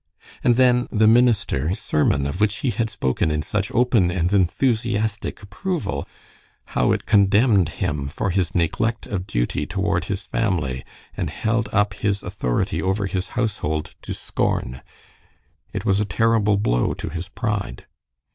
And then the minister's sermon, of which he had spoken in such open and enthusiastic approval, how it condemned him for his neglect of duty toward his family, and held up his authority over his household to scorn. It was a terrible blow to his pride.